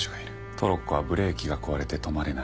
トロッコはブレーキが壊れて止まれない。